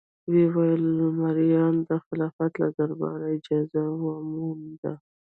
ویې ویل: مریانو د خلافت له دربار اجازه وموندله.